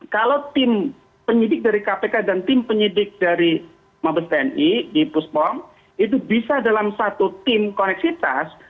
kalau tim penyidik dari kpk dan tim penyidik dari mabes tni di puspom itu bisa dalam satu tim koneksitas